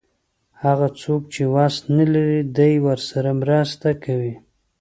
هغه څوک چې وس نه لري دی ورسره مرسته کوي.